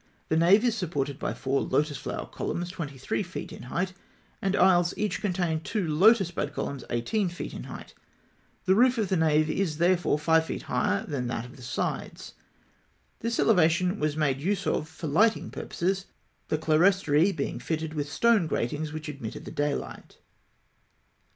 The nave is supported by four lotus flower columns, 23 feet in height; the aisles each contain two lotus bud columns 18 feet high. The roof of the nave is, therefore, 5 feet higher than that of the sides. This elevation was made use of for lighting purposes, the clerestory being fitted with stone gratings, which admitted the daylight.